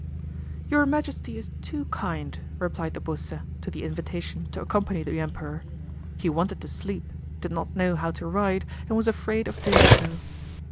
"Your Majesty is too kind!" replied de Beausset to the invitation to accompany the Emperor; he wanted to sleep, did not know how to ride and was afraid of doing so.